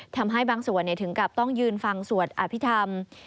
ทำให้บางส่วนถึงกับต้องยืนฟังสวดอภิษฐรรม